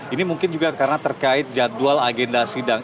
ini mungkin juga karena terkait jadwal agenda sidang